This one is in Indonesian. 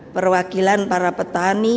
perwakilan para petani